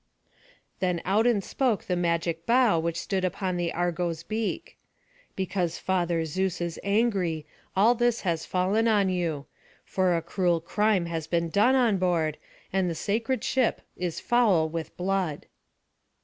Then out and spoke the magic bough which stood upon the Argo's beak: "Because Father Zeus is angry, all this has fallen on you; for a cruel crime has been done on board, and the sacred ship is foul with blood."